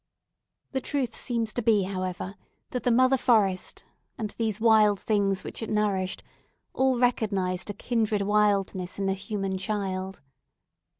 The truth seems to be, however, that the mother forest, and these wild things which it nourished, all recognised a kindred wilderness in the human child.